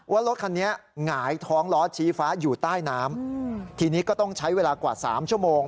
ว่ารถคันนี้หงายท้องล้อชี้ฟ้าอยู่ใต้น้ำทีนี้ก็ต้องใช้เวลากว่าสามชั่วโมง